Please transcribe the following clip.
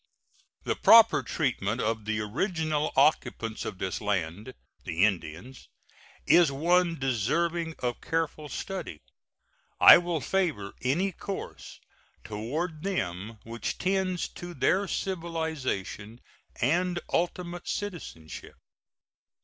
The proper treatment of the original occupants of this land the Indians is one deserving of careful study. I will favor any course toward them which tends to their civilization and ultimate citizenship.